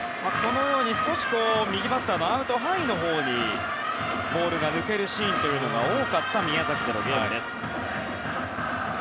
少し右バッターのアウトハイのほうにボールが抜けるシーンが多かった宮崎でのゲームです。